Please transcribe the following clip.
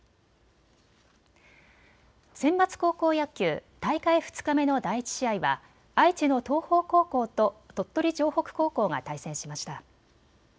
センバツ高校野球、大会２日目の第１試合は愛知の東邦高校と鳥取城北高校が対戦しました。